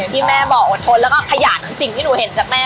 ที่แม่บอกอดทนแล้วก็ขยันสิ่งที่หนูเห็นจากแม่